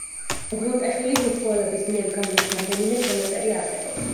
უღელტეხილის უცხოელების მიერ გავლის რამდენიმე ჩანაწერი არსებობს.